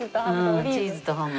うんチーズとハム。